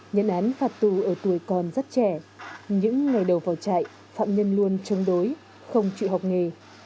nhân án phạt tù ở tuổi còn rất trẻ những ngày đầu vào trại phạm nhân luôn chống đối không chịu học nghề